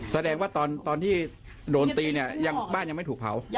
แสดงว่าตอนที่โดนตีเนี่ยบ้านยังไม่ถูกเผา